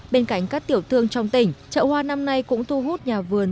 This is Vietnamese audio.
bên cạnh các tiểu thương trong tỉnh chợ hoa năm nay cũng thu hút nhà vườn